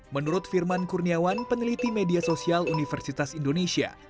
menurut firman kurniawan peneliti media sosial universitas indonesia